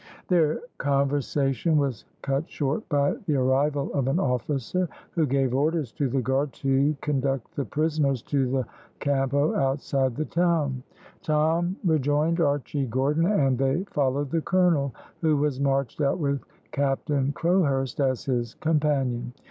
Their conversation was cut short by the arrival of an officer, who gave orders to the guard to conduct the prisoners to the Campo outside the town. Tom rejoined Archy Gordon and they followed the colonel, who was marched out with Captain Crowhurst as his companion.